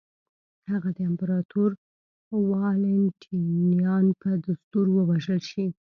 هغه د امپراتور والنټینیان په دستور ووژل شي.